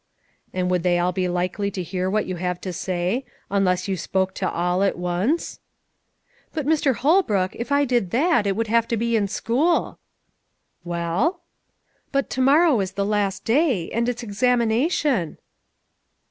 "And would they all be likely to hear what you have to say, unless you spoke to all at once?" "But, Mr. Holbrook, if I did that, it would have to be in school." "Well?" "But to morrow is the last day, and it's examination."